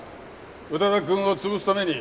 宇多田くんを潰すために。